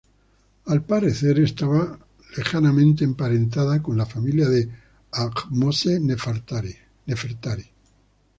Al parecer, estaba lejanamente emparentada con la familia de Ahmose-Nefertari.